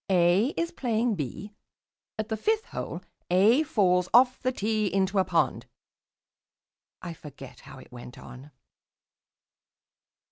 A is playing B. At the fifth hole A falls off the tee into a pond " I forget how it went on.